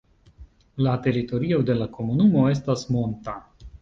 La teritorio de la komunumo estas monta.